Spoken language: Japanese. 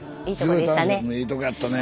いいとこやったね。